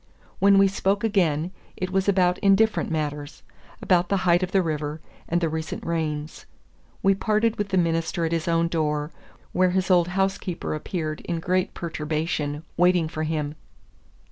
When we spoke again, it was about indifferent matters, about the height of the river, and the recent rains. We parted with the minister at his own door, where his old housekeeper appeared in great perturbation, waiting for him.